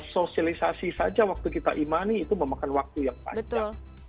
sosialisasi saja waktu kita imani itu memakan waktu yang panjang